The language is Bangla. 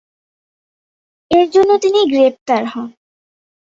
এর জন্য তিনি গ্রেপ্তার হন।